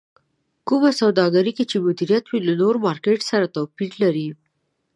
کومه سوداګرۍ کې چې مدير وي له نور مارکېټ سره توپير لري.